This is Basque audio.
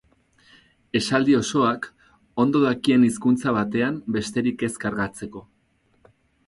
Esaldi osoak, ondo dakien hizkuntza batean besterik ez kargatzeko.